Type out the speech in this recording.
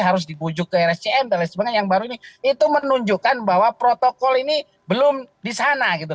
harus dibujuk ke rscm dan lain sebagainya yang baru ini itu menunjukkan bahwa protokol ini belum di sana gitu